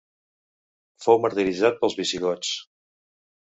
Fou martiritzat pels visigots.